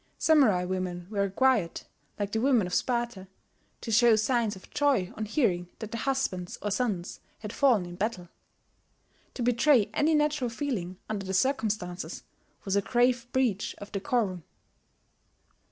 Samurai women were required, like the women of Sparta, to show signs of joy on hearing that their husbands or sons had fallen in battle: to betray any natural feeling under the circumstances was a grave breach of decorum.